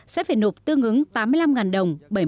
sẽ phải nộp tương ứng tám mươi năm đồng